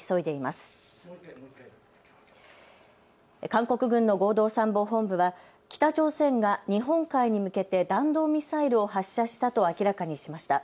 韓国軍の合同参謀本部は北朝鮮が日本海に向けて弾道ミサイルを発射したと明らかにしました。